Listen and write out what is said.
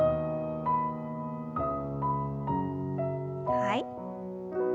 はい。